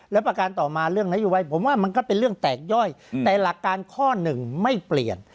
และประการต่อมาเรื่องนโยบายผมว่ามันก็เป็นเรื่องแตกย่อยแต่หลักการข้อหนึ่งไม่เปลี่ยน